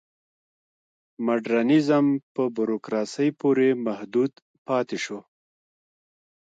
مډرنیزم په بوروکراسۍ پورې محدود پاتې شو.